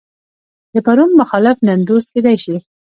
د پرون مخالف نن دوست کېدای شي.